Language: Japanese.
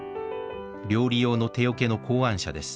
料理用の手桶の考案者です。